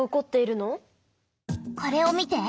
これを見て。